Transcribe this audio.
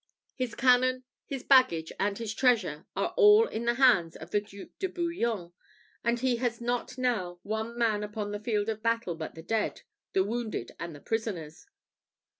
His cannon, his baggage, and his treasure, are all in the hands of the Duke of Bouillon; and he has not now one man upon the field of battle but the dead, the wounded, and the prisoners."